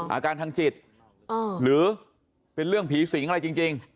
อาการทางจิตหรือเป็นเรื่องผีสิงอะไรจริง